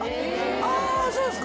あそうですか。